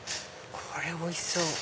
これおいしそう！